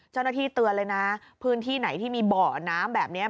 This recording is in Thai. เจ้าหน้าที่เตือนเลยนะพื้นที่ไหนที่มีเบาะน้ำแบบนี้